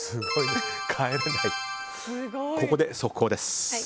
ここで、速報です。